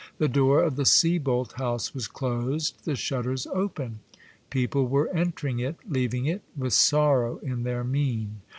The door of the Sieboldt house was closed, the shutters open. People were entering it, leaving it, with sorrow in their mien.